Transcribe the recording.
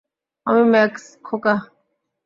আমি ম্যাক্স, খোকা।